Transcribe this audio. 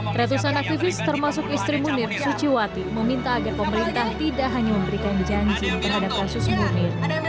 ratusan aktivis termasuk istri munir suciwati meminta agar pemerintah tidak hanya memberikan janji terhadap kasus munir